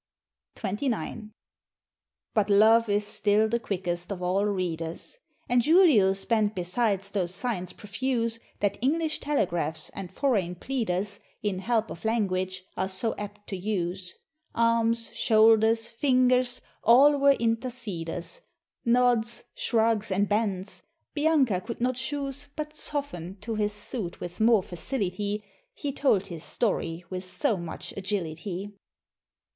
XXIX. But love is still the quickest of all readers; And Julio spent besides those signs profuse That English telegraphs and foreign pleaders, In help of language, are so apt to use, Arms, shoulders, fingers, all were interceders, Nods, shrugs, and bends, Bianca could not choose But soften to his suit with more facility, He told his story with so much agility.